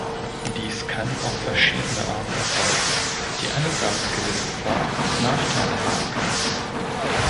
Dies kann auf verschiedene Arten erfolgen, die allesamt gewisse Vor- und Nachteile haben können.